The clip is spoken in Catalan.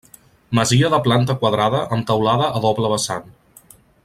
Masia de planta quadrada amb teulada a doble vessant.